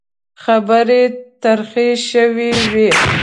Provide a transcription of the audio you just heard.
خبرې ترخې شوې وې.